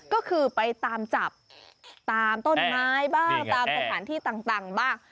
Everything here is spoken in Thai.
ก็คือไปตามจับตามต้นไม้บ้างตามสถานที่ต่างบ้าง